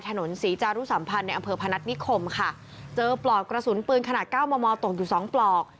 ถนนศรีจารุสัมพันธ์ในอำเภอพนัฐนิคมค่ะเจอปลอกกระสุนปืนขนาดเก้ามอมอตกอยู่สองปลอก